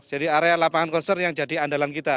jadi area lapangan konser yang jadi andalan kita